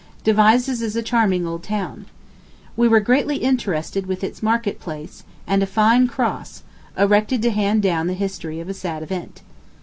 Devizes is a charming old town. We were greatly interested with its market place, and a fine cross, erected to hand down the history of a sad event.